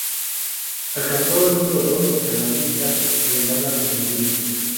Alcanzó el número dos en la lista alemana de sencillos.